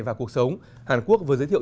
vào cuộc sống hàn quốc vừa giới thiệu